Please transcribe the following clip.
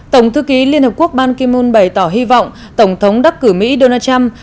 tổng thư ký liên hợp quốc ban kimon bày tỏ hy vọng tổng thống đắc cử mỹ donald trump